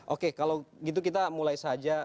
oke kalau gitu kita mulai saja